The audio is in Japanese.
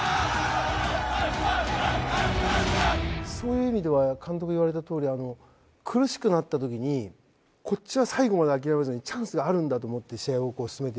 そういう意味では監督に言われたとおり苦しくなった時にこっちは最後まで諦めずにチャンスがあるんだと思って試合を進めていく。